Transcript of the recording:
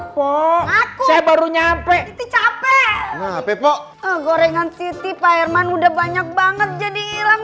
poh aku baru nyampe capek ngapain kok gorengan siti pak herman udah banyak banget jadi hilang